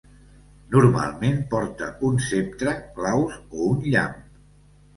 Normalment porta un ceptre, claus, o un llamp.